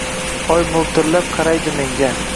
Oy moʻltirab qaraydi menga